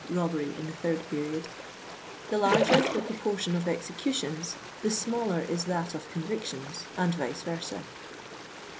robbery in the third period,) the larger the proportion of executions, the smaller is that of convictions, and vice versa.